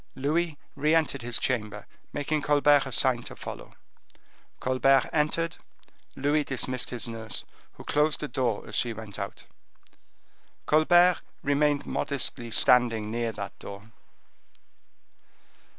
Louis re entered his chamber, making Colbert a sign to follow. Colbert entered; Louis dismissed the nurse, who closed the door as she went out. Colbert remained modestly standing near that door.